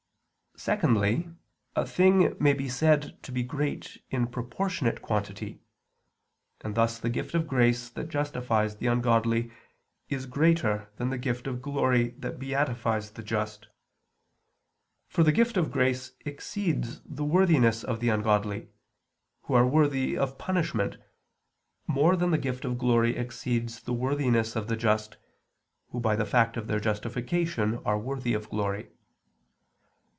Secondly, a thing may be said to be great in proportionate quantity, and thus the gift of grace that justifies the ungodly is greater than the gift of glory that beatifies the just, for the gift of grace exceeds the worthiness of the ungodly, who are worthy of punishment, more than the gift of glory exceeds the worthiness of the just, who by the fact of their justification are worthy of glory.